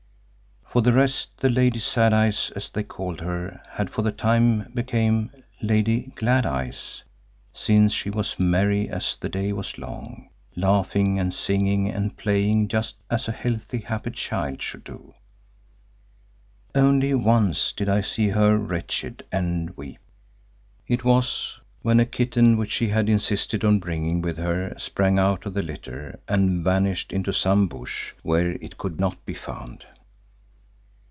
For the rest, the Lady Sad Eyes, as they called her, had for the time became the Lady Glad Eyes, since she was merry as the day was long, laughing and singing and playing just as a healthy happy child should do. Only once did I see her wretched and weep. It was when a kitten which she had insisted on bringing with her, sprang out of the litter and vanished into some bush where it could not be found.